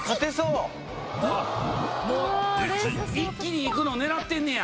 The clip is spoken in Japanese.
一気に行くの狙ってんねや。